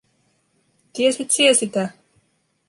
Tiesit sie sitä?"